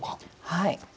はい。